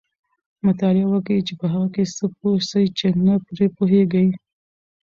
مطالعه وکړئ! چي په هغه څه پوه سئ، چي نه پرې پوهېږئ.